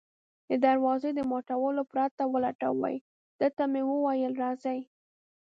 د دروازې د ماتولو پرته ولټوي، ده ته مې وویل: راځئ.